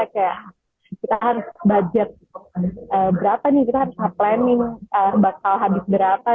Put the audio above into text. kayak kita harus budget berapa nih kita harus nge planning bakal habis berapa